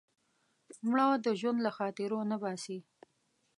مړه د ژوند له خاطرو نه باسې